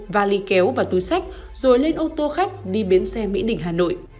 vali kéo và túi sách rồi lên ô tô khách đi bến xe mỹ đình hà nội